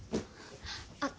あっ